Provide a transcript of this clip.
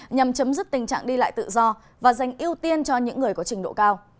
nhằm chấm dứt tình trạng đi lại tự do và dành ưu tiên cho những người có trình độ cao